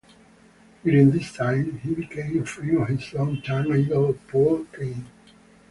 During this time, he became a friend of his long-time idol Paul Kane.